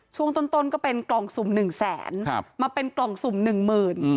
ช่วงต้นก็เป็นกล่องสุ่มหนึ่งแสนมาเป็นกล่องสุ่มหนึ่งหมื่น